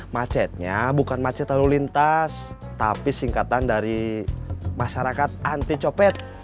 macetnya bukan macet lalu lintas tapi singkatan dari masyarakat anti copet